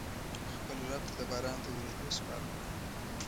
خپل رب ته د باران د ورېدو سوال وکړم.